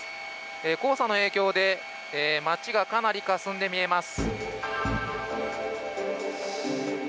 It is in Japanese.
黄砂の影響で街がかなりかすんで見えます。